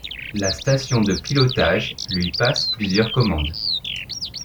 La station de pilotage lui passe plusieurs commandes.